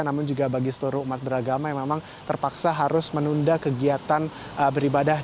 namun juga bagi seluruh umat beragama yang memang terpaksa harus menunda kegiatan beribadah